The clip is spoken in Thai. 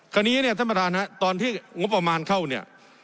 คราวนี้เนี่ยท่านประธานฮะตอนที่งบประมาณเข้าเนี่ย